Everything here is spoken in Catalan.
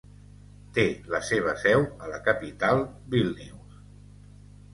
Té la seva seu a la capital Vílnius.